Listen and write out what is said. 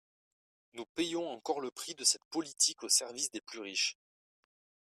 Nous payons encore le prix de cette politique au service des plus riches.